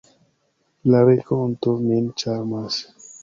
La renkonto min ĉarmas.